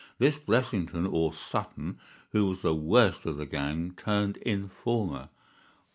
This Blessington or Sutton, who was the worst of the gang, turned informer.